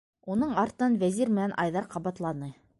Уның артынан Вәзир менән Айҙар ҡабатланы: